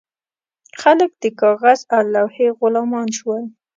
خلک د کاغذ او لوحې غلامان شول.